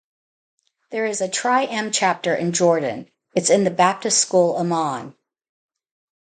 There is a Tri-M chapter in Jordan, it's in The Baptist school Amman.